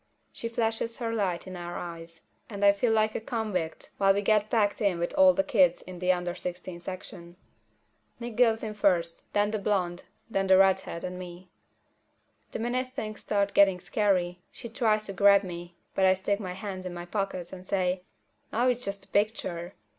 She flashes her light in our eyes, and I feel like a convict while we get packed in with all the kids in the under sixteen section. Nick goes in first, then the blonde, then the redhead and me. The minute things start getting scary, she tries to grab me, but I stick my hands in my pockets and say, "Aw, it's just a picture."